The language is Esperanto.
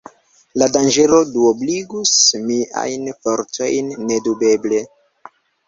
La danĝero duobligus miajn fortojn, nedubeble.